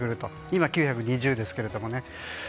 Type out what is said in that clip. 今、９２０ですけれどもね。